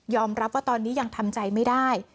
ยอมรับว่ายังทำใจไม่ได้